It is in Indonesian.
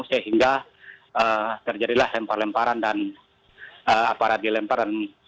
sehingga terjadilah lempar lemparan dan aparat dilemparan